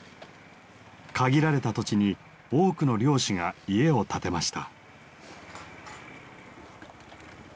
限られた土地に多くの漁師が家を建てました。